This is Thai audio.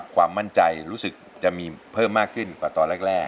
ความมั่นใจรู้สึกจะมีเพิ่มมากขึ้นกว่าตอนแรก